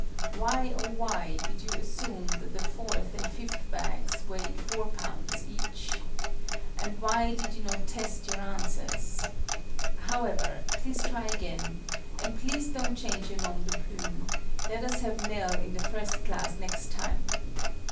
Why, oh why, did you assume that the 4th and 5th bags weighed 4 lbs. each? And why did you not test your answers? However, please try again: and please don't change your nom de plume: let us have NELL in the First Class next time!